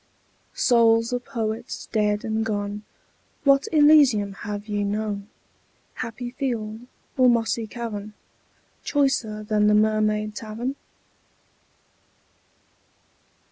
Souls of Poets dead and gone, What Elysium have ye known, Happy field or mossy cavern, Choicer than the Mermaid Tavern?